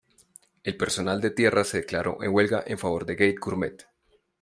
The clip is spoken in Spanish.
El personal de tierra se declaró en huelga en favor de Gate Gourmet.